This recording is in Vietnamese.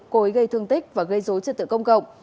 cố ý gây thương tích và gây dối trật tự công cộng